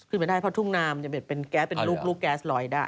เพราะทุ่งน้ำลูกแก๊สหลอยได้